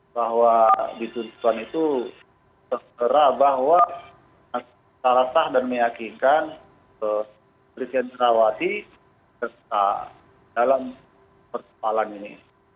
bahwa dituntutan itu segera bahwa salah tah dan meyakinkan terdakwa putri candrawati dalam pertemuan ini